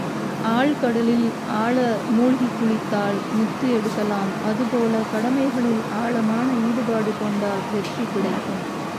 ஆழ்கடலில் ஆழ மூழ்கிக் குளித்தால் முத்து எடுக்கலாம் அதுபோலக் கடமைகளில் ஆழமான ஈடுபாடு கொண்டால் வெற்றி கிடைக்கும்.